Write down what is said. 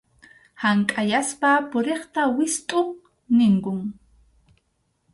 Hank’ayaspa puriqta wistʼu ninkum.